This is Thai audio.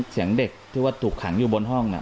เสียงเด็กที่ว่าถูกขังอยู่บนห้อง